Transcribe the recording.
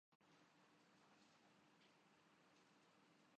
جنہیں پاکستانی ٹیم کی شکستوں پر نہ تشویش ہے اور نہ شرمندگی